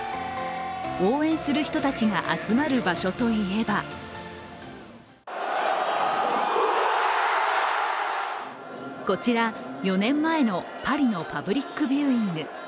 応援する人たちが集まる場所といえばこちら４年前のパリのパブリックビューイング。